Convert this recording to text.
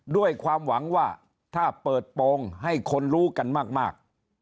ด้วยความหวังว่าถ้าเปิดโปรงให้คนรู้กันมาก